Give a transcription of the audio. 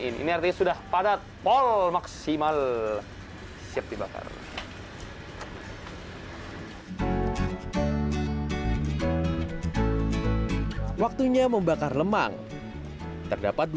ini artinya sudah padat pol maksimal siap dibakar waktunya membakar lemang terdapat